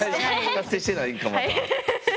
達成してないんかまだ。